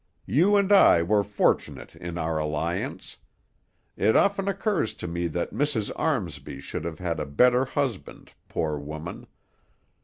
You and I were fortunate in our alliance. It often occurs to me that Mrs. Armsby should have had a better husband, poor woman.